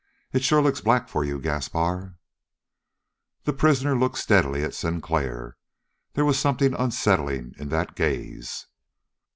It sure looks black for you, Gaspar." The prisoner looked steadily at Sinclair. There was something unsettling in that gaze.